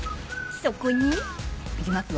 ［そこに］いきますよ。